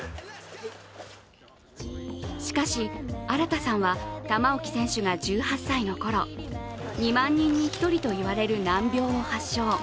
しかし、新さんは玉置選手が１８歳のころ２万人に１人といわれる難病を発症。